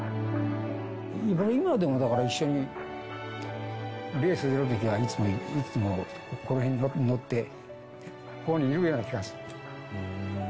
今でもだから一緒に、レース出るときは、いつも、このへん乗って、ここにいるような気がする。